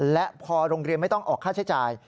และพอโรงเรียนไม่ต้องออกค่าใช้จ่าย